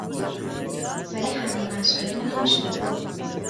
ولی همه مسائل رو نمیشه بابا